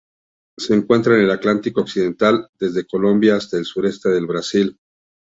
Se encuentra en el Atlántico occidental: desde Colombia hasta el sureste del Brasil.